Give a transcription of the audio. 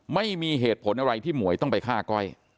ไม่มีเหตุผลอะไรที่หมวยต้องไปฆ่าก้อย